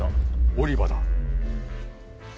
オリバだ。